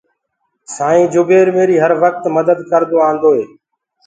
سآئيٚنٚ جُبير ميريٚ هر وڪت مَدَت ڪردو آنٚدوئي۔